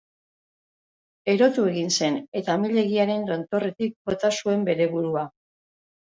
Erotu egin zen eta amildegiaren tontorretik bota zuen bere burua.